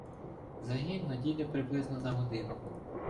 Загін надійде приблизно за годину.